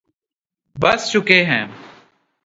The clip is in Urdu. پس چکے ہیں